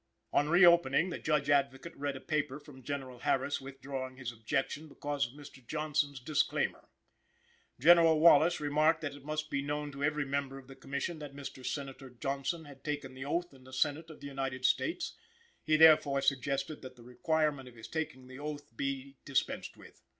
On reopening, the Judge Advocate read a paper from General Harris withdrawing his objection because of Mr. Johnson's disclaimer. General Wallace remarked that it must be known to every member of the Commission that Mr. Senator Johnson had taken the oath in the Senate of the United States. He therefore suggested that the requirement of his taking the oath be dispensed with.